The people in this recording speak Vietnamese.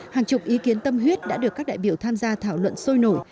hàng chục ý kiến tâm huyết đã được các đại biểu tham gia thảo luận sôi nổi